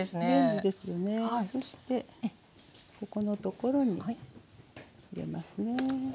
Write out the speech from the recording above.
そしてここのところに入れますね。